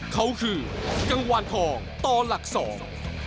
เขาคือกังวานทองต่อหลักสอง